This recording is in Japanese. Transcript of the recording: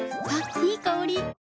いい香り。